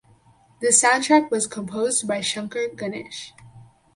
The soundtrack was composed by Shankar–Ganesh.